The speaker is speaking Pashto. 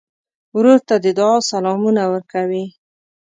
ورور ته د دعا سلامونه ورکوې.